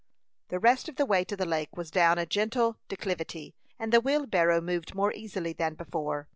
The rest of the way to the lake was down a gentle declivity, and the wheelbarrow moved more easily than before.